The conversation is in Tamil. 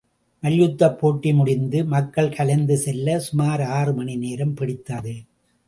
மல்யுத்தப் போட்டி முடிந்து மக்கள் கலைந்து செல்ல, சுமார் ஆறு மணி நேரம் பிடித்தது.